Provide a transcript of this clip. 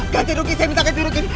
ganti rugi saya minta ganti rugi